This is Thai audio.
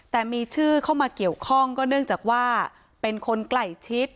แต่มีชื่อเข้ามาเกี่ยวข้องก็เนื่องจากว่าเป็นคนใกล้ชิด